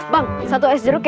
bang satu es jeruk ya